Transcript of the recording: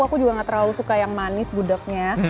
aku juga gak terlalu suka yang manis gudeg nya